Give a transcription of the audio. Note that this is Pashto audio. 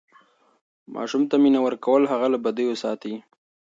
ماسوم ته مینه ورکول هغه له بدیو ساتي.